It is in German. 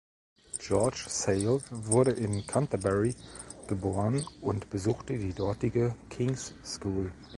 George Sale wurde in Canterbury geboren und besuchte die dortige "King’s School".